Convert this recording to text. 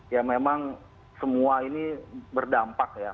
ya memang semua ini berdampak ya